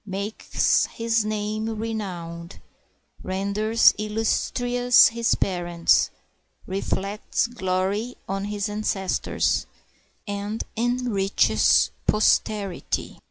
Makes his name renowned, renders illustrious his parents, Reflects glory on his ancestors, and enriches posterity.